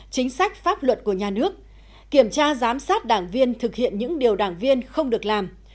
chính sách pháp luật của nhà nước kiểm tra giám sát đảng viên thực hiện những điều đảng viên không được làm